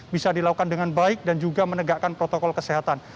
bisa dilakukan dengan baik dan juga menegakkan protokol kesehatan